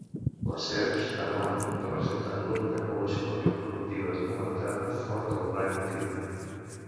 Les serps a Guam representen l'única població reproductiva documentada fora del rang natiu.